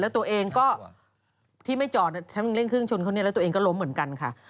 แล้วตัวเองก็ที่ไม่จอดฉันเร่งเครื่องชนเขาเนี่ยแล้วตัวเองก็ล้มเหมือนกันค่ะ